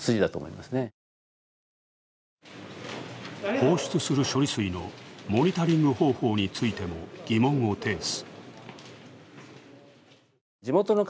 放出する処理水のモニタリング方法についても疑問を呈す。